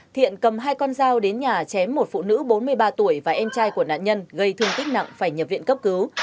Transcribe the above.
thiện cầm hai con dao đến nhà chém một phụ nữ bốn mươi ba tuổi và em trai của nạn nhân gây thương tích nặng phải nhập viện cấp cứu